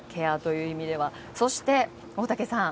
そして大竹さん